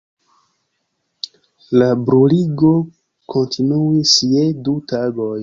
La bruligo kontinuis je du tagoj.